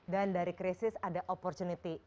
dan dari krisis ada opportunity